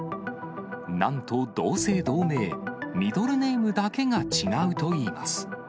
なんと同姓同名、ミドルネームだけが違うといいます。